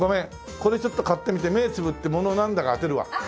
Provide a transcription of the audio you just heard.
これちょっと買ってみて目つぶってものなんだか当てるわ。